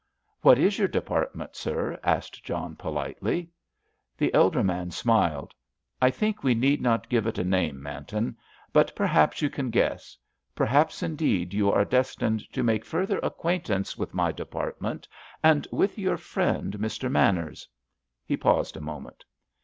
"What is your department, sir?" asked John politely. The elder man smiled. "I think we need not give it a name, Manton. But perhaps you can guess. Perhaps, indeed, you are destined to make further acquaintance with my department and with your friend, Mr. Manners." He paused a moment.